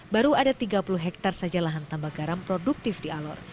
baru ada tiga puluh hektare saja lahan tambak garam produktif di alor